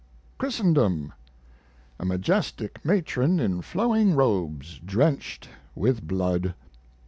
Christendom A majestic matron in flowing robes drenched with blood.